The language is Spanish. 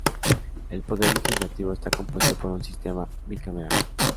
El poder legislativo está compuesto por un sistema bicameral.